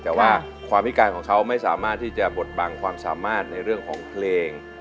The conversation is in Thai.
แต่ว่าความพิการของเขาไม่สามารถที่จะบดบังความสามารถในเรื่องของเพลง